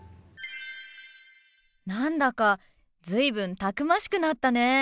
何だか随分たくましくなったね。